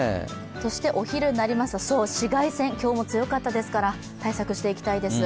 そしてお昼になりますと紫外線、今日も強かったですから対策していきたいです。